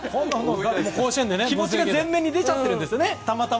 気持ちが前面に出ちゃっているんですよね。